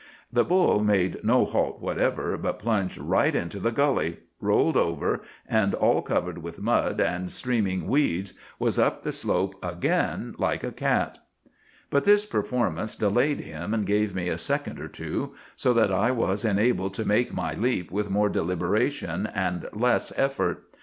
"The bull made no halt whatever, but plunged right into the gully, rolled over, and all covered with mud and streaming weeds was up the slope again like a cat. [Illustration: "I was forced to leap Desperately."—Page 48.] "But this performance delayed him, and gave me a second or two, so that I was enabled to make my leap with more deliberation and less effort.